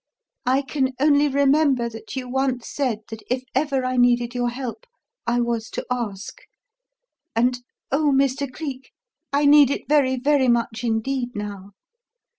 I can only remember that you once said that if ever I needed your help I was to ask; and oh, Mr. Cleek, I need it very very much indeed now.